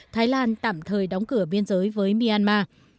thái lan tạm thời đóng cửa biên giới với myanmar